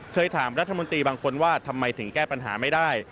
เคยถามรัฐมนตรีบางคนว่าทำไมถึงแก้ปัญหาไม่ได้